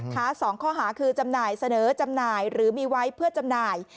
๒ข้อหาคือจำหน่ายเสนอจำหน่ายหรือมีไว้เพื่อจำหน่าย